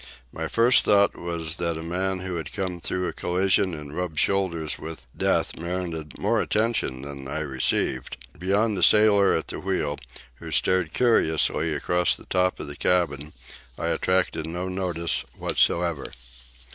My first thought was that a man who had come through a collision and rubbed shoulders with death merited more attention than I received. Beyond a sailor at the wheel who stared curiously across the top of the cabin, I attracted no notice whatever.